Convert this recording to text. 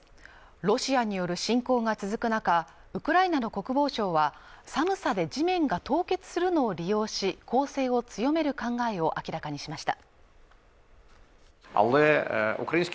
ロシアによる侵攻が続く中ウクライナの国防相は寒さで地面が凍結するのを利用し攻勢を強める考えを明らかにしました